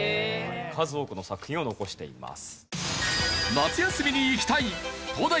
数多くの作品を残しています。